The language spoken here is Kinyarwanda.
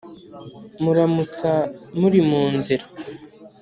Muramutsa muri mu nzira